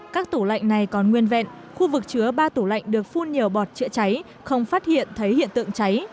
các tủ lạnh này còn nguyên vẹn khu vực chứa ba tủ lạnh được phun nhiều bọt chữa cháy không phát hiện thấy hiện tượng cháy